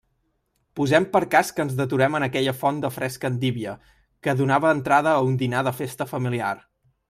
Posem per cas que ens deturem en aquella font de fresca endívia que donava entrada a un dinar de festa familiar.